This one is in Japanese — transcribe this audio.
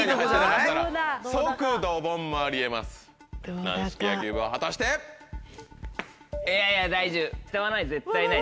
いやいや大丈夫下はない絶対ない